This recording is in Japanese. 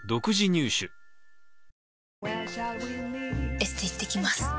エステ行ってきます。